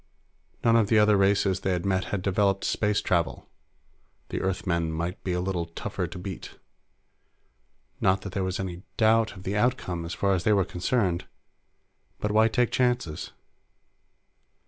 None of the other races they had met had developed space travel; the Earthmen might be a little tougher to beat. Not that there was any doubt of the outcome, as far as they were concerned but why take chances?